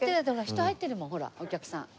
人入ってるもんほらお客さん。